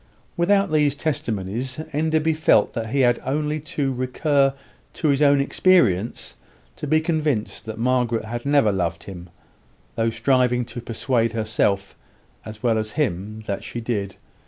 Without these testimonies, Enderby felt that he had only to recur to his own experience to be convinced that Margaret had never loved him, though striving to persuade herself, as well as him, that she did.